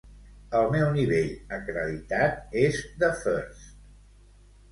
El meu nivell acreditat és de First.